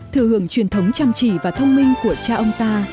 thừa hưởng truyền thống chăm chỉ và thông minh của cha ông ta